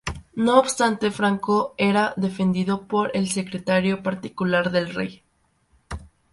No obstante, Franco era defendido por el secretario particular del rey.